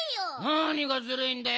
なにがずるいんだよ？